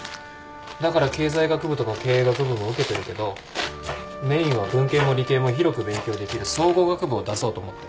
だから経済学部とか経営学部も受けてるけどメインは文系も理系も広く勉強できる総合学部を出そうと思って。